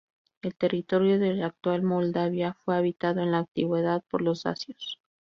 El territorio de la actual Moldavia fue habitado en la Antigüedad por los dacios.